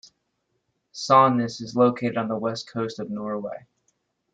Sandnes is located on the west coast of Norway.